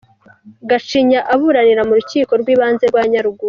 Gacinya aburanira mu Rukiko rw’ibanza rwa Nyarugunga